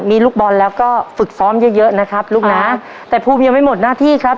มีลูกบอลแล้วก็ฝึกซ้อมเยอะเยอะนะครับลูกนะแต่ภูมิยังไม่หมดหน้าที่ครับ